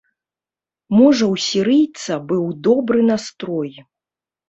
Можа ў сірыйца быў добры настрой.